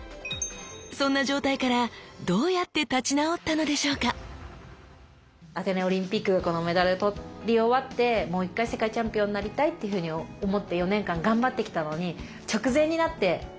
そんな状態からどうやって立ち直ったのでしょうかアテネオリンピックこのメダル取り終わってもう一回世界チャンピオンになりたいと思って４年間頑張ってきたのに直前になってのケガだったんですね腰痛。